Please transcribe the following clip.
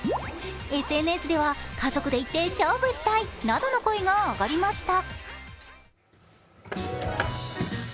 ＳＮＳでは家族で行って勝負したいなどの声が上がりました。